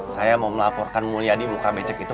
saya mau melaporkan mulia di muka becek itu